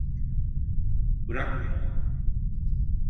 Bırakma!